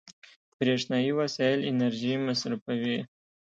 برېښنایي وسایل انرژي مصرفوي.